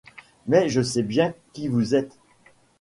Mais je sais bien qui vous êtes.